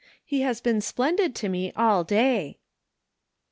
He has been splendid to me all day."